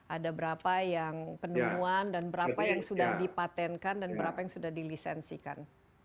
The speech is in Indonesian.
ada berapa yang penemuan dan berapa yang sudah dipatenkan dan berapa yang sudah dilisensikan